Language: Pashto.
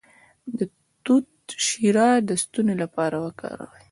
د توت شیره د ستوني لپاره وکاروئ